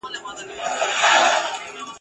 چي قاضي کړه د طبیب دعوه منظوره ..